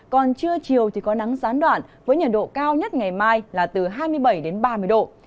còn trưa chiều thì có nắng gián đoạn với nhiệt độ cao nhất ngày mai là từ hai mươi bảy đến ba mươi độ